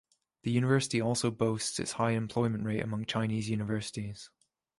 The university also boasts its high employment rate among Chinese universities.